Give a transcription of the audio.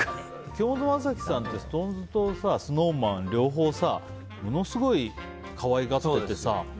京本政樹さんってＳｉｘＴＯＮＥＳとＳｎｏｗＭａｎ両方、ものすごい可愛がっててさ。